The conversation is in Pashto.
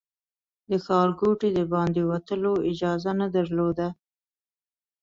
له ښارګوټي د باندې وتلو اجازه نه درلوده.